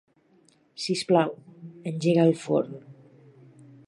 Sisplau, engega el forn.